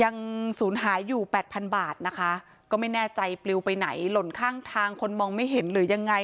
ศูนย์หายอยู่แปดพันบาทนะคะก็ไม่แน่ใจปลิวไปไหนหล่นข้างทางคนมองไม่เห็นหรือยังไง